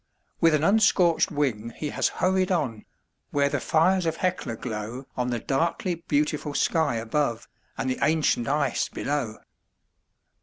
With an unscorched wing he has hurried on, where the fires of Hecla glow On the darkly beautiful sky above and the ancient ice below.